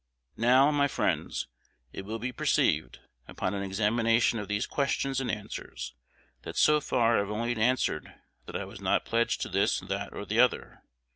Now, my friends, it will be perceived, upon an examination of these questions and answers, that so far I have only answered that I was not pledged to this, that, or the other.